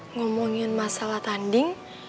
ngomongin masalah tanding